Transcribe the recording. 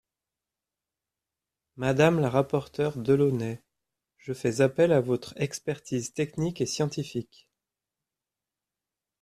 Madame la rapporteure Delaunay, je fais appel à votre expertise technique et scientifique.